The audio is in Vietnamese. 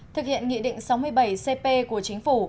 thực hiện nghị định sáu mươi bảy cp của chính phủ